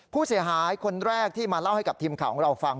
ผู้เสียหายคนแรกที่มาเล่าให้กับทีมข่าวของเราฟัง